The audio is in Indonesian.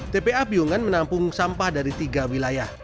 tpa piungan menampung sampah dari tiga wilayah